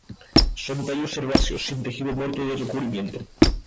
Son tallos herbáceos sin tejido muerto de recubrimiento.